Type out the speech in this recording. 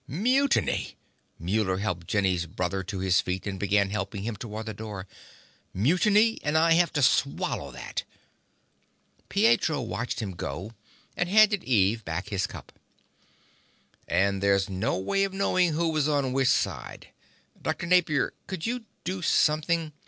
"Mutiny!" Muller helped Jenny's brother to his feet and began helping him toward the door. "Mutiny! And I have to swallow that!" Pietro watched him go, and handed Eve back his cup. "And there's no way of knowing who was on which side. Dr. Napier, could you do something...."